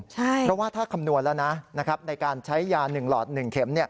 เพราะว่าถ้าคำนวณแล้วนะในการใช้ยา๑หลอด๑เข็ม